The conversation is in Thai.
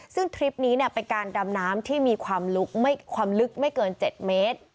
ซึ่งทริปนี้เป็นการดำน้ำที่มีความลึกไม่เกิน๗เมตร